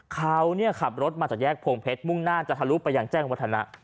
เขาขับรถมาจากแยกโพงเพชรมุ่งหน้าจะทะลุไปยังแจ้งวัฒนะ